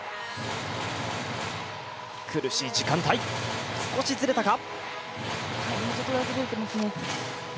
苦しい時間帯、少しずれたか。